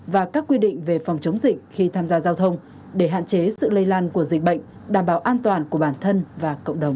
và các quy định về phòng chống dịch khi tham gia giao thông để hạn chế sự lây lan của dịch bệnh đảm bảo an toàn của bản thân và cộng đồng